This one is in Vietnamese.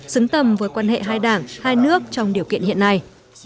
xứng tầm với quan hệ hai đảng hai nước trong điều kiện hiện nay